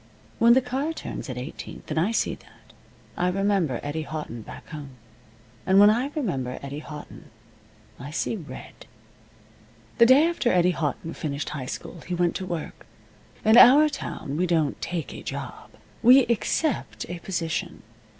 When the car turns at Eighteenth, and I see that, I remember Eddie Houghton back home. And when I remember Eddie Houghton I see red. The day after Eddie Houghton finished high school he went to work. In our town we don't take a job. We accept a position.